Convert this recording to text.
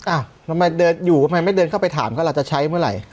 อ้าวทำไมเดินอยู่ทำไมไม่เดินเข้าไปถามเขาเราจะใช้เมื่อไหร่